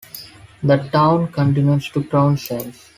The town continues to grow since.